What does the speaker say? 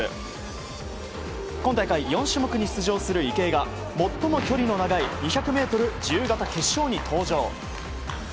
今大会、４種目に出場する池江が最も距離の長い２００ｍ自由形決勝に登場。